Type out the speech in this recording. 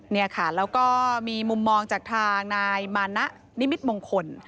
นี่ค่ะแล้วก็มีมุมมองจากทางนายมานะนิมิตมงคล